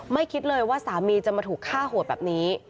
คิดเลยว่าสามีจะมาถูกฆ่าโหดแบบนี้